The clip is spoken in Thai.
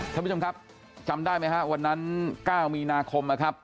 ท่านผู้ชมครับจำได้ไหมฮะวันนั้น๙มีนาคมนะครับ